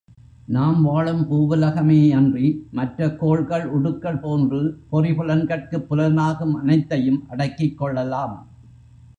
நாம் வாழும் பூவுலகமேயன்றி, மற்ற கோள்கள், உடுக்கள் போன்று பொறி புலன் கட்குப் புலனாகும் அனைத்தையும் அடக்கிக் கொள்ளலாம்.